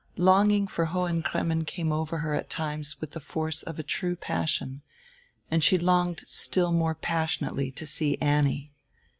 Longing lor Hohen Cremmen came over her at times with the force of a true passion, and she longed still more passionately to see Annie.